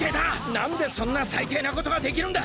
なんでそんなさいていなことができるんだ！